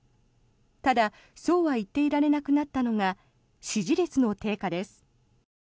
ただ、そうは言っていられなくなったのが支持率の低下です。